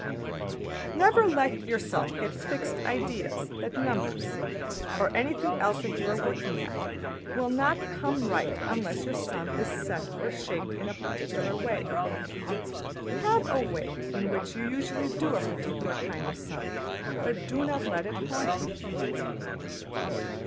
Never let yourself get fixed ideas that numbers (or anything else that you are working at) will not come right unless your sum is set or shaped in a particular way. Have a way in which you usually do a particular kind of sum, but do not let it haunt you.